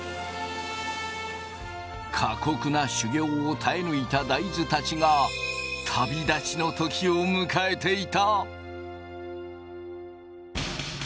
過酷な修業を耐え抜いた大豆たちがを迎えていた。